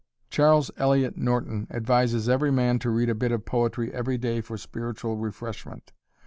Charles Eliot Norton advises every man to read a bit of poetry every day for spiritual refreshment.